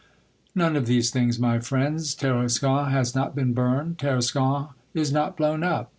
None of these things, my friends. Tarascon has not been burned, Tarascon is not blown up